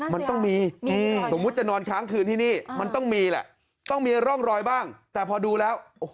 มันต้องมีสมมุติจะนอนค้างคืนที่นี่มันต้องมีแหละ